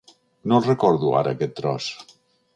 No el recordo, ara, aquest tros.